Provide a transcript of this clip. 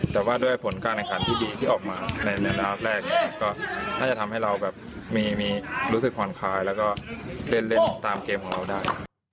แต่ว่าด้วยผลการแข่งขันที่ดีที่ออกมาในระดับแรกเนี่ยก็น่าจะทำให้เราแบบมีรู้สึกผ่อนคลายแล้วก็เล่นตามเกมของเราได้